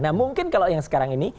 nah mungkin kalau yang sekarang ini